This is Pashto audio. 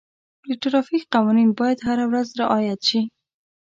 د ټرافیک قوانین باید هره ورځ رعایت شي.